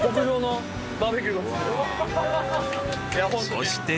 ［そして］